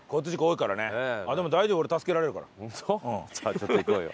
ちょっと行こうよ。